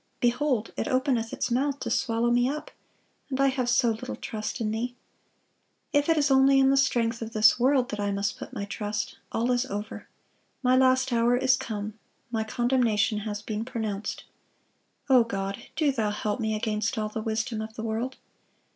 Behold, it openeth its mouth to swallow me up, and I have so little trust in Thee.... If it is only in the strength of this world that I must put my trust, all is over.... My last hour is come, my condemnation has been pronounced.... O God, do Thou help me against all the wisdom of the world.